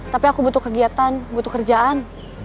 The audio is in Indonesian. tapi aku butuh kegiatan butuh kerjaan